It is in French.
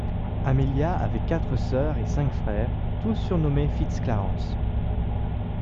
Amelia avait quatre sœurs et cinq frères, tous surnommé FitzClarence.